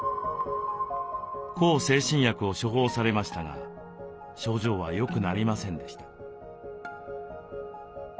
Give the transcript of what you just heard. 向精神薬を処方されましたが症状はよくなりませんでした。